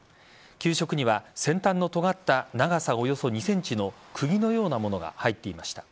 給食には、先端の尖った長さおよそ２ｃｍのくぎのようなものが入っていました。